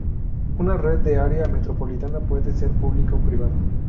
Una red de área metropolitana puede ser pública o privada.